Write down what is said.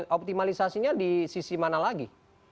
optimalisasinya di sisi mana lagi